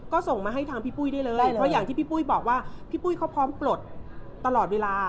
ก็ส่งมาให้ทางพี่ปุ้ยได้เลยเพราะอย่างที่พี่ปุ้ยบอกว่าพี่ปุ้ยเขาพร้อมปลดตลอดเวลา